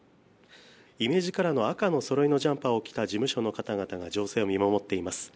イメージカラーの赤のそろいのジャンパーを着た事務所の方々が情勢を見守っています。